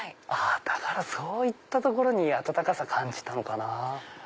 そういったところに温かさ感じたのかなぁ。